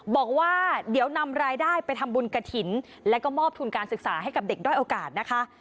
บอกว่าเดี๋ยวนำรายได้ไปทำบุญกระถิ่นแล้วก็มอบทุนการศึกษาให้กับเด็กด้อยโอกาสนะคะ